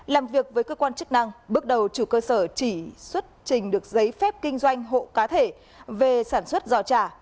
làm việc với cơ quan chức năng bước đầu chủ cơ sở chỉ xuất trình được giấy phép kinh doanh hộ cá thể về sản xuất giò trà